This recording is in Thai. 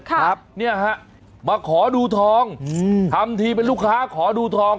ครับเนี่ยฮะมาขอดูทองอืมทำทีเป็นลูกค้าขอดูทอง